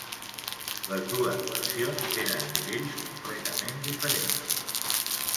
Les dos versions tenen nivells completament diferents.